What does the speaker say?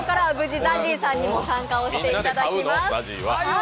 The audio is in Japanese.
ここからは無事ＺＡＺＹさんにも参加していただきます。